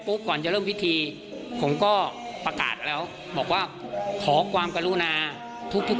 ก่อนจะเริ่มพิธีผมก็ประกาศแล้วบอกว่าขอความกรุณาทุกทุก